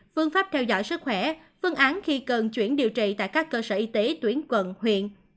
phương pháp theo dõi sức khỏe phương án khi cần chuyển điều trị tại các cơ sở y tế tuyến quận huyện